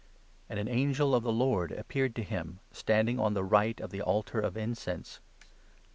And an 1 1 angel of the Lord appeared to him, standing on the right of the Altar of Incense.